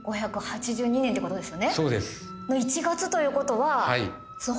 そうです。